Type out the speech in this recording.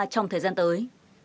trong thời gian tới